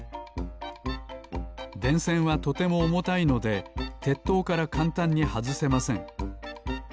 でんせんはとてもおもたいのでてっとうからかんたんにはずせません。